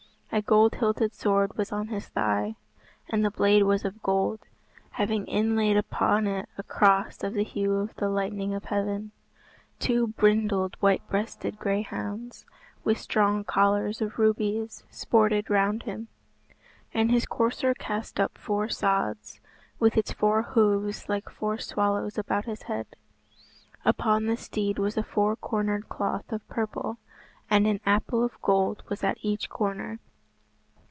A gold hilted sword was on his thigh, and the blade was of gold, having inlaid upon it a cross of the hue of the lightning of heaven. Two brindled, white breasted greyhounds, with strong collars of rubies, sported round him, and his courser cast up four sods with its four hoofs like four swallows about his head. Upon the steed was a four cornered cloth of purple, and an apple of gold was at each corner.